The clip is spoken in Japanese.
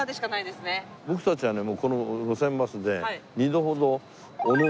僕たちはねもうこの『路線バス』で２度ほど。